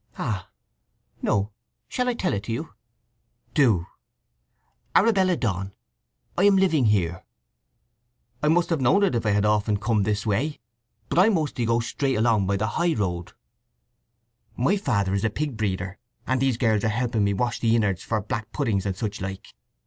"Ah, no. Shall I tell it to you?" "Do!" "Arabella Donn. I'm living here." "I must have known it if I had often come this way. But I mostly go straight along the high road." "My father is a pig breeder, and these girls are helping me wash the innerds for black puddings and such like."